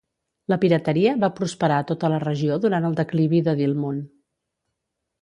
La pirateria va prosperar a tota la regió durant el declivi de Dilmun.